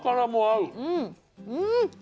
うん！